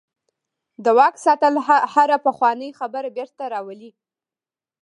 د واک ساتل هره پخوانۍ خبره بیرته راولي.